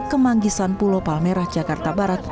kemanggisan pulau palmerah jakarta barat